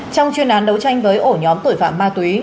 trong chuyên án đấu tranh với ổ nhóm tội phạm ma túy